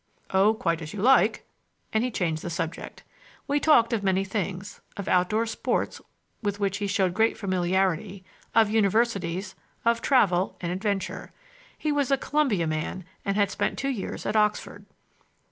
"Oh, quite as you like!"—and he changed the subject. We talked of many things,—of outdoor sports, with which he showed great familiarity, of universities, of travel and adventure. He was a Columbia man and had spent two years at Oxford.